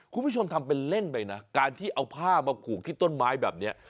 คุณผู้ชมทำเป็นเล่นไปนะการที่เอาผ้ามาผูกที่ต้นไม้แบบนี้